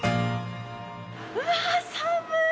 うわ、寒い！